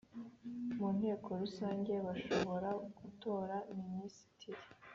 mu Nteko Rusange Bashobora gutora minisitiri